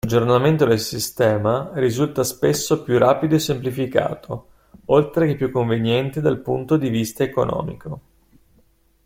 L'aggiornamento del sistema risulta spesso più rapido e semplificato, oltre che più conveniente dal punto di vista economico.